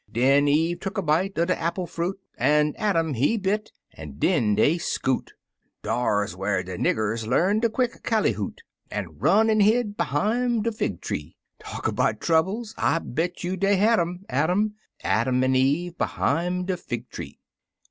Den Eve tuck a bite er de Appile fruit, An' Adam he bit, an' den dey scoot (Dar 's whar de niggers I'arned de quick callyhoot), An' run an' hid behime de fig tree. Talk about troubles! I bet you dey had 'em — Adam — Adam an' Eve behime de fig tree.